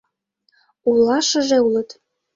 — Улашыже улыт...